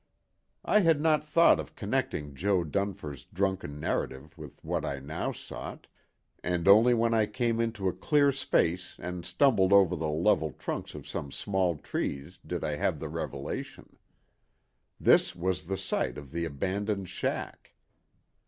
I had not thought of connecting Jo. Dunfer's drunken narrative with what I now sought, and only when I came into a clear space and stumbled over the level trunks of some small trees did I have the revelation. This was the site of the abandoned "shack."